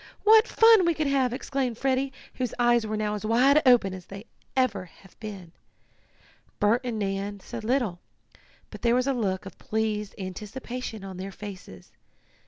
"What fun we could have!" exclaimed Freddie, whose eyes were now as wide open as ever they had been. Bert and Nan said little, but there was a look of pleased anticipation on their faces.